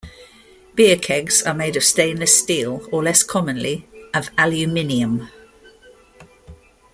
Beer kegs are made of stainless steel, or less commonly, of aluminium.